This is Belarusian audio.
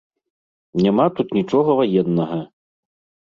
Няма тут нічога ваеннага!